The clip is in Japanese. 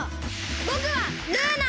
ぼくはルーナ！